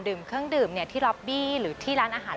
เครื่องดื่มที่ล็อบบี้หรือที่ร้านอาหาร